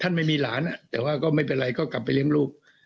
ไม่มีหลานแต่ว่าก็ไม่เป็นไรก็กลับไปเลี้ยงลูก